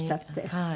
はい。